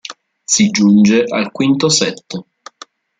Si giunge al quinto set.